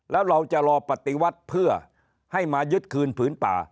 แล้วเราจะรอปฏิวัติเพื่อให้มายึดคืนผืนป่า